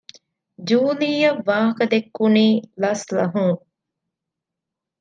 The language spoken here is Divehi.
ޖޫލީއަށް ވާހަކަދެއްކުނީ ލަސްލަހުން